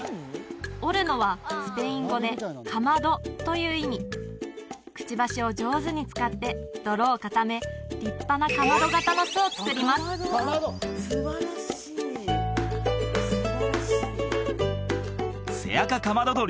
オルノはスペイン語で「かまど」という意味くちばしを上手に使って泥を固め立派なかまど形の巣を作りますセアカカマドドリ